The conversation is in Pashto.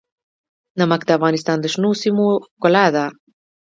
نمک د افغانستان د شنو سیمو ښکلا ده.